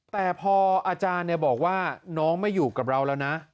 แต่พออาจารย์บอกว่าน้องไม่อยู่กับเราแล้วนะ